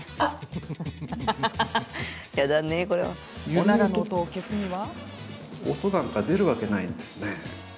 おならの音を消すには。